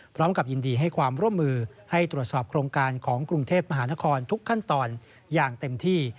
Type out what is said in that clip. พร้อมกับยินดีให้ความร่วมมือให้ตรวจสอบโครงการของกรุงเทพมหานครทุกขั้นตอนอย่างเต็มที่